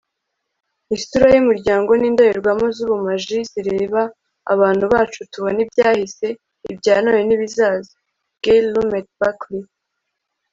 isura yumuryango ni indorerwamo zubumaji zireba abantu bacu, tubona ibyahise, ibya none, nibizaza. - gail lumet buckley